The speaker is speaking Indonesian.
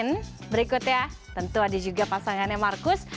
dan berikutnya tentu ada juga pasangannya marcus